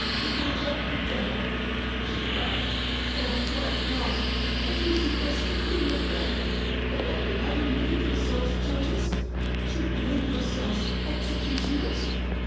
"What have I done," she cried, "oh, my God? that you should thus decree my death, and after having made yourselves judges should make yourselves executioners?